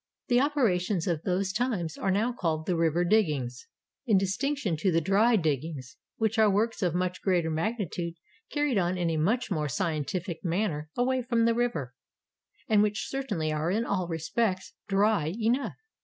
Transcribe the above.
The operations of those times are now called the "river diggings" in distinction to the "dry diggings," which are works of much greater magnitude, carried on in a much more scientific manner away from the river, — and which certainly are in all respects "dry" enough.